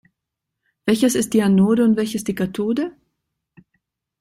Welches ist die Anode und welches die Kathode?